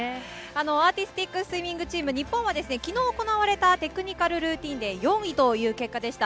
アーティスティックスイミングチーム、日本は昨日行われたテクニカルルーティンで４位という結果でした。